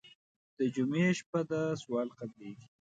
د جمعې شپه ده سوال قبلېږي.